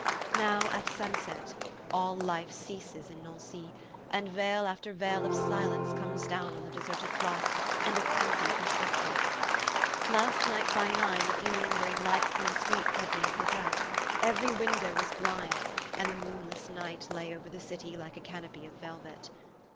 Now, at sunset, all life ceases in Nancy and veil after veil of silence comes down on the deserted Place and its empty perspectives. Last night by nine the few lingering lights in the streets had been put out, every window was blind, and the moonless night lay over the city like a canopy of velvet.